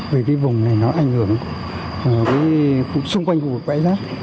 vì vùng này nó ảnh hưởng xung quanh của bãi rác